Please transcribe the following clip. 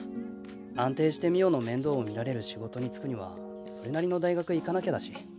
安定して美桜の面倒を見られる仕事に就くにはそれなりの大学行かなきゃだし。